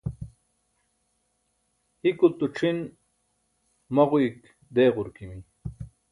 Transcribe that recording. hikulto c̣ʰin maġuyuik deeġurqimi